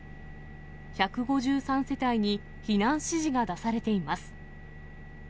１５３世帯に避難指示が出されています。